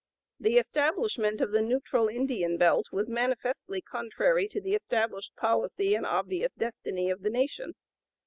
The establishment of the neutral Indian belt was manifestly contrary to the established policy and obvious destiny of the nation.